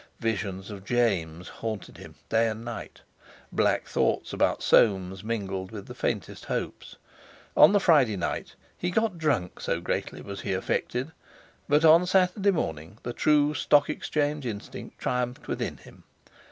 Visions of James haunted him day and night. Black thoughts about Soames mingled with the faintest hopes. On the Friday night he got drunk, so greatly was he affected. But on Saturday morning the true Stock Exchange instinct triumphed within him.